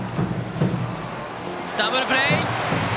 ダブルプレー！